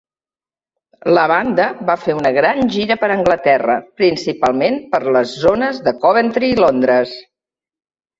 La banda va fer una gran gira per Anglaterra, principalment per les zones de Coventry i Londres.